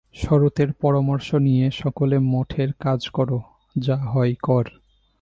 শরতের পরামর্শ নিয়ে সকল মঠের কাজ কর, যা হয় কর।